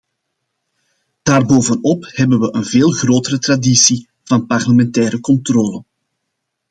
Daarbovenop hebben we een veel grotere traditie van parlementaire controle.